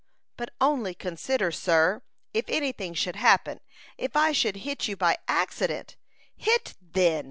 "But only consider, sir, if any thing should happen. If I should hit you by accident " "Hit, then!"